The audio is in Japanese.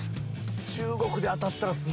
中国で当たったらすごい。